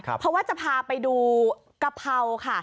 เพราะว่าจะพาไปดูกะเพราค่ะ